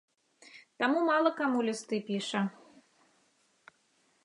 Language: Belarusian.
Таму мала каму лісты піша.